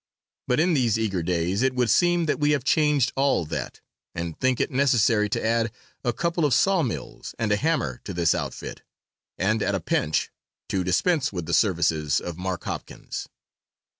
But in these eager days it would seem that we have changed all that and think it necessary to add a couple of saw mills and a hammer to this outfit, and, at a pinch, to dispense with the services of Mark Hopkins.